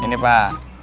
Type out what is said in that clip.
nah ini pak